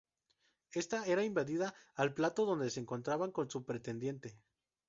Ésta era invitada al plató dónde se encontraba con su pretendiente.